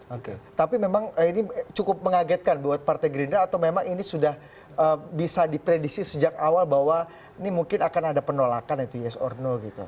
oke tapi memang ini cukup mengagetkan buat partai gerindra atau memang ini sudah bisa diprediksi sejak awal bahwa ini mungkin akan ada penolakan itu yes or no gitu